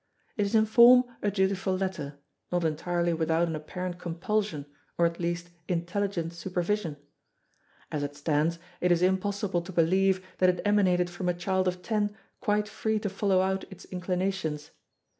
It is in form a dutiful letter, not entirely without an apparent compulsion or at least intelligent supervision. As it stands, it is impossible to believe that it emanated from a child of ten quite free to follow out its inclinations.